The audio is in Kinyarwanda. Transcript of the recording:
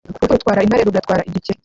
urupfu rutwara intare rugatwara igikeri